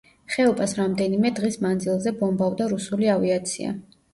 ხეობას რამდენიმე დღის მანძილზე ბომბავდა რუსული ავიაცია.